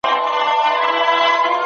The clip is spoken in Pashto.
خپل ځان له هر ډول اضطراب وساتئ.